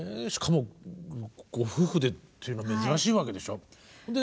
しかもご夫婦でというのは珍しいわけでしょ？